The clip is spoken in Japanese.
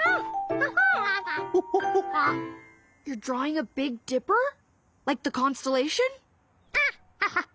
アッハハッ。